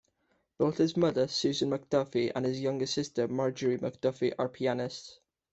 Both his mother, Susan McDuffie, and his younger sister, Margerie McDuffie, are pianists.